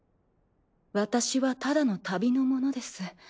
私はただの旅の者です。